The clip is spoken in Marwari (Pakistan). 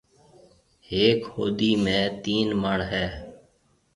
هيڪ هودي ۾ تين مَڻ هيَ۔